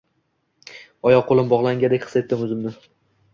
Oyoq-qo`lim bog`langandek his etdim o`zimni